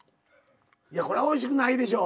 いやこれはおいしくないでしょ。